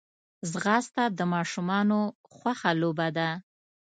ځغاسته د ماشومانو خوښه لوبه ده